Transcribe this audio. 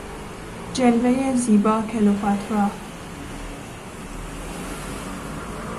جلوهی زیبا کلئوپاترا